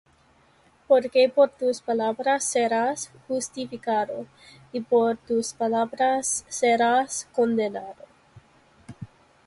Porque por tus palabras serás justificado, y por tus palabras serás condenado.